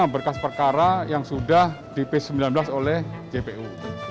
enam berkas perkara yang sudah di p sembilan belas oleh jpu